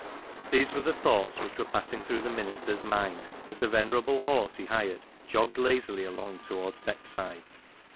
These were the thoughts which were passing through the minister's mind as the venerable horse he hired jogged lazily along towards Beckside.